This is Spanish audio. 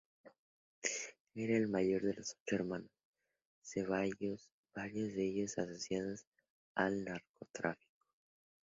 Era el mayor de los ocho hermanos Ceballos, varios de ellos asociados al narcotráfico.